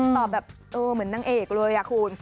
ตอบแบบเออเหมือนนางเอกเลยคุณ